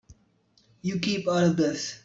You keep out of this.